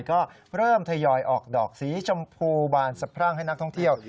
ก็เริ่มทยอยออกดอกสีชมพูบานสะพรั่งให้นักท่องเที่ยว